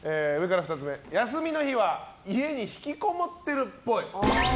休みの日は家に引きこもってるっぽい。